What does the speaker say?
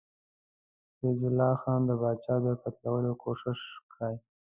فیض الله خان د پاچا د قتلولو کوښښ کړی.